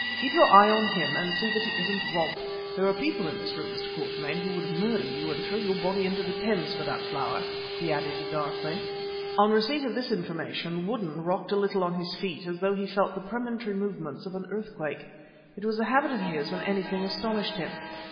Keep your eye on him and see that he isn't robbed. There are people in this room, Mr. Quatermain, who would murder you and throw your body into the Thames for that flower," he added, darkly. On receipt of this information Woodden rocked a little on his feet as though he felt the premonitory movements of an earthquake. It was a habit of his whenever anything astonished him.